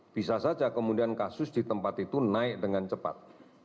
bisa saja kemudian kasus di tempat itu naik dengan cepat